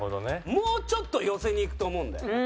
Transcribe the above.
もうちょっと寄せにいくと思うんだよ。